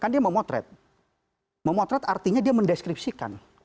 dan dia memotret memotret artinya dia mendeskripsikan